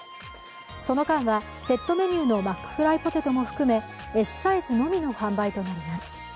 その間はセットメニューのマックフライポテトも含めＳサイズのみの販売となります。